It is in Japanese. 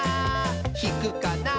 ひくかな？